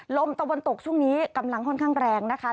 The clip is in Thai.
ลมตะวันตกช่วงนี้กำลังค่อนข้างแรงนะคะ